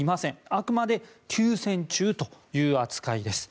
あくまで休戦中という扱いです。